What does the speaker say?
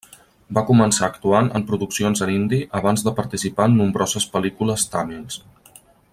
Va començar actuant en produccions en hindi abans de participar en nombroses pel·lícules tàmils.